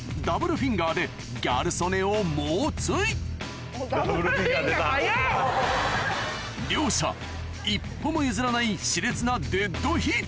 フィンガーでギャル曽根を猛追両者一歩も譲らない熾烈なデッドヒート！